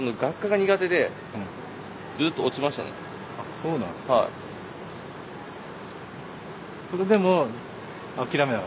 そうなんですか。